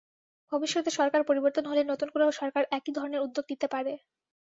ভবিষ্যতে সরকার পরিবর্তন হলে নতুন কোনো সরকার একই ধরনের উদ্যোগ নিতে পারে।